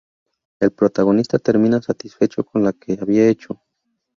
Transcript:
El protagonista termina satisfecho con lo que había hecho.